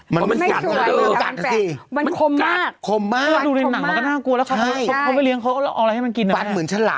ไม่สวยปั้นอย่างนี้เมื่อก่อนมันยากวิ่งนะคะ